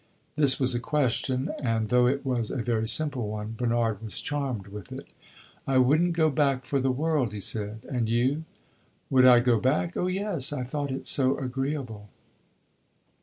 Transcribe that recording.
This was a question, and though it was a very simple one, Bernard was charmed with it. "I would n't go back for the world!" he said. "And you?" "Would I go back? Oh yes; I thought it so agreeable."